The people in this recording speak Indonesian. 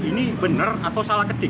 ini benar atau salah ketik